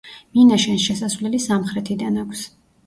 მინაშენს შესასვლელი სამხრეთიდან აქვს.